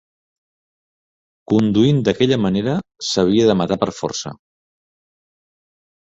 Conduint d'aquella manera, s'havia de matar per força.